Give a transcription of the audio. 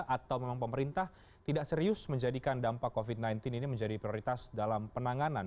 atau memang pemerintah tidak serius menjadikan dampak covid sembilan belas ini menjadi prioritas dalam penanganan